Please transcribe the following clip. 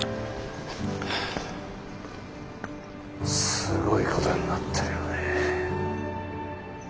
すごいことになってるよねえ。